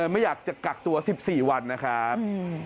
ไม่อยากจะกักตัว๑๔วันนะครับ